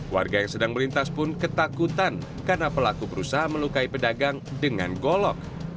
warga yang sedang melintas pun ketakutan karena pelaku berusaha melukai pedagang dengan golok